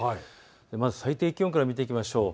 まず最低気温から見ていきましょう。